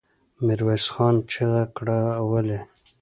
ميرويس خان چيغه کړه! ولې؟